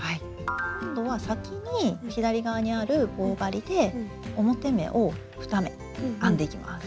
今度は先に左側にある棒針で表目を２目編んでいきます。